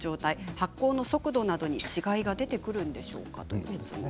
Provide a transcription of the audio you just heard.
発酵速度に違いが出てくるんでしょうか。